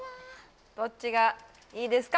どっちがいいですか？